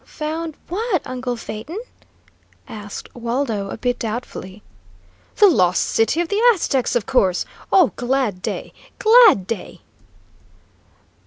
"Found what, uncle Phaeton?" asked Waldo, a bit doubtfully. "The Lost City of the Aztecs, of course! Oh, glad day, glad day!"